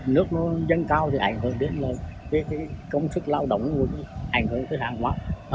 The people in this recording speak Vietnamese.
nước dân cao thì ảnh hưởng đến công sức lao động ảnh hưởng đến hàng hóa